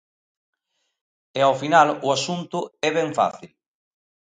E ao final o asunto é ben fácil.